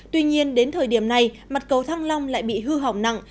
tuy nhiên đến thời điểm này mặt cầu thăng long lại bị hư hỏng nặng